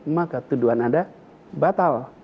maka tuduhan anda batal